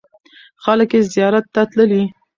خلک یې زیارت ته تللي.